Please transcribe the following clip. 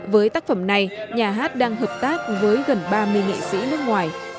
với tác phẩm này nhà hát đang hợp tác với gần ba mươi nghệ sĩ nước ngoài